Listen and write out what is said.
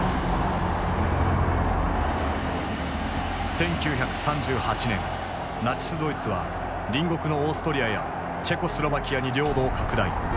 １９３８年ナチスドイツは隣国のオーストリアやチェコスロバキアに領土を拡大。